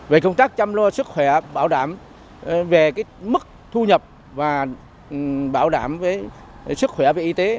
về công tác chăm lo sức khỏe bảo đảm về mức thu nhập và bảo đảm về sức khỏe và y tế